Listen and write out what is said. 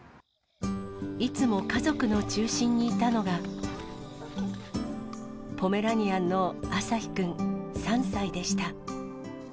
いつも家族の中心にいたのが、ポメラニアンのあさひくん３歳でした。